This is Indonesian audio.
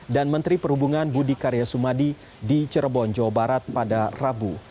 dan menteri perhubungan budi karya sumadi di cirebon jawa barat pada rabu